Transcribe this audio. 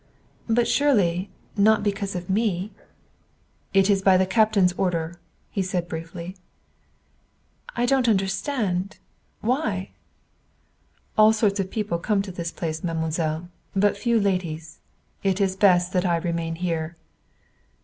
"But surely not because of me?" "It is the captain's order," he said briefly. "I don't understand. Why?" "All sorts of people come to this place, mademoiselle. But few ladies. It is best that I remain here."